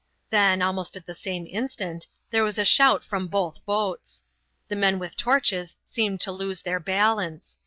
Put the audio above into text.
Then, almost at the same instant there was a shout from both boats. The men with torches seemed to lose their balance.